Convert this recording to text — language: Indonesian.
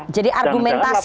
jadi argumentasinya lemah ya